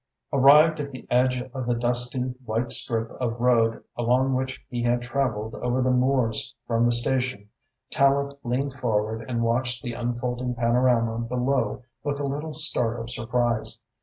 Arrived at the edge of the dusty, white strip of road along which he had travelled over the moors from the station, Tallente leaned forward and watched the unfolding panorama below with a little start of surprise.